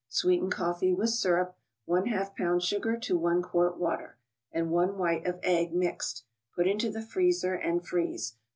Sweeten coffee with syrup (one half pound sugar to one quart water), and one white of egg, mixed. Put into the freezer, and freeze.